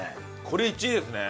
これ１位ですね。